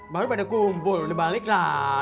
baru pada kumpul dibaliklah